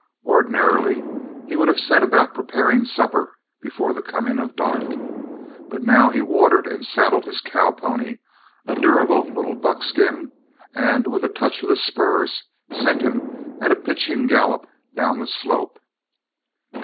Ordinarily he would have set about preparing supper before the coming of the dark, but now he watered and saddled his cowpony, a durable little buckskin, and with a touch of the spurs sent him at a pitching gallop down the slope.